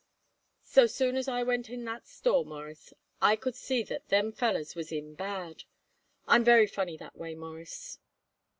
So soon as I went in that store, Mawruss, I could see that them fellers was in bad. I'm very funny that way, Mawruss."